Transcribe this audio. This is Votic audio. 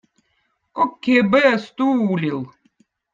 kokki eb õõ stuulil